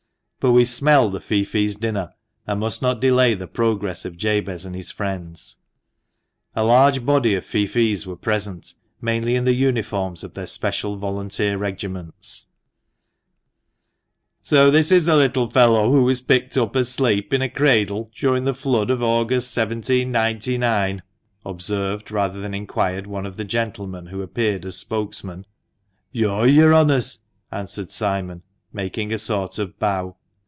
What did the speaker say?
But we smell the feoffees' dinner, and must not delay the progress of Jabez and his friends. A large body of feoffees were present, many in the uniforms of their special volunteer regiments. 74 ^HE MANCHESTER MAN. " So this is the little fellow who was picked up asleep in a cradle during the flood of August, 1799," observed rather than inquired one of the gentlemen, who appeared as spokesman. "Yoi, yo'r honours," answered Simon, making a sort of bow.